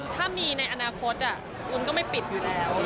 ถ้ามีในอนาคตอุ้มก็ไม่ปิดอยู่แล้ว